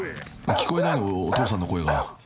［聞こえないのお父さんの声が］ＯＫ。